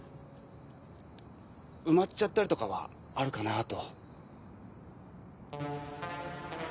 埋まっちゃったりとかはあるかなぁと。